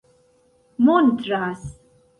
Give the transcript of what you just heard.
montras